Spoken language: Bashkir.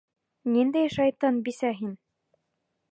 Ниндәй шайтан бисә һин?